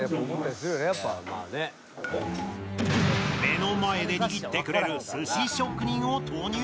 目の前で握ってくれる寿司職人を投入